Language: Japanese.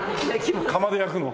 釜で焼くの？